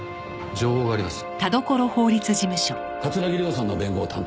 情報があります。